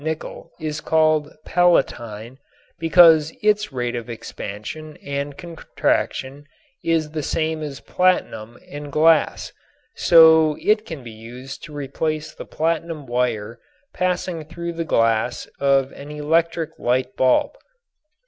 nickel is called "platinite" because its rate of expansion and contraction is the same as platinum and glass, and so it can be used to replace the platinum wire passing through the glass of an electric light bulb.